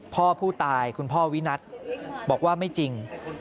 พ่อผู้ตายคุณพ่อวินัทบอกว่าไม่จริง